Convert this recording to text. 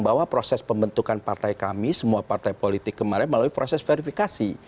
bahwa proses pembentukan partai kami semua partai politik kemarin melalui proses verifikasi